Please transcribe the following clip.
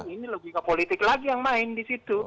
ini logika politik lagi yang main di situ